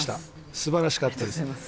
素晴らしかったです。